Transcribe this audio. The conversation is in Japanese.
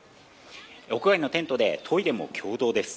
屋外のテントでトイレも共同です。